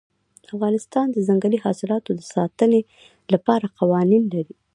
افغانستان د ځنګلي حاصلاتو د ساتنې لپاره قوانین لري.